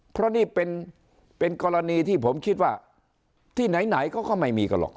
เพราะนี่เป็นกรณีที่ผมคิดว่าที่ไหนก็ไม่มีกันหรอก